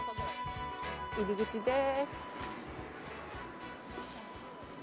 入り口です。